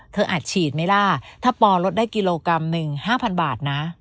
อาจฉีดไหมล่ะถ้าปอลดได้กิโลกรัมหนึ่ง๕๐๐บาทนะ